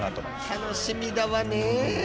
たのしみだわね。